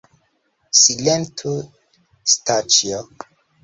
Silentu, Staĉjo!